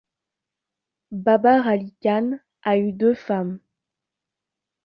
Babar Ali Khan a eu deux femmes.